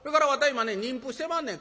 今ね人夫してまんねん。